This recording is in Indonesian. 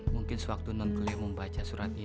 mungkin sewaktu non cleo membaca surat ini